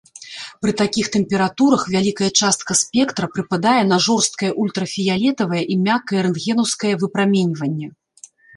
Пры такіх тэмпературах вялікая частка спектра прыпадае на жорсткае ультрафіялетавае і мяккае рэнтгенаўскае выпраменьванне.